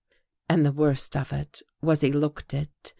And the worst of it was he looked it.